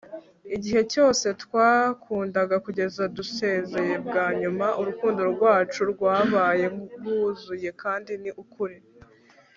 igihe cyose twakundaga kugeza dusezeye bwa nyuma, urukundo rwacu rwabaye rwuzuye kandi ni ukuri